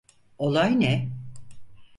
Olay ne?